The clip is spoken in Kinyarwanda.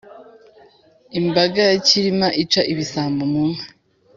imbaga ya cyilima ica ibisambo mu nka.